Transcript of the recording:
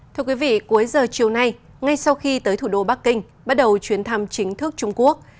thưa quý vị cuối giờ chiều nay ngay sau khi tới thủ đô bắc kinh bắt đầu chuyến thăm chính thức trung quốc